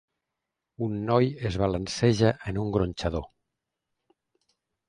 un noi es balanceja en un gronxador.